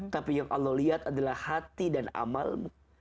tapi yang allah lihat adalah hati dan amalmu